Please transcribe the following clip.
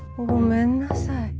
ごめんなさい。